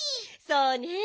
そうねえ。